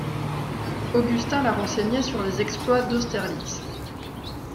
Augustin la renseignait sur les exploits d'Austerlitz.